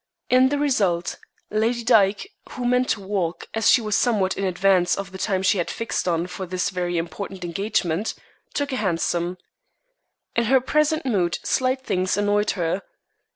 In the result, Lady Dyke, who meant to walk, as she was somewhat in advance of the time she had fixed on for this very important engagement, took a hansom. In her present mood slight things annoyed her.